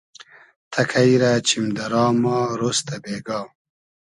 تئکݷ رۂ چیم دۂ را ما رۉز تۂ بېگا